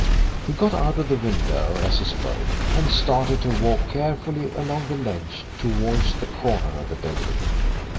He got out of the window as he spoke, and started to walk carefully along the ledge towards the corner of the building.